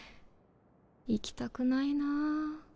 行きたくないなぁ。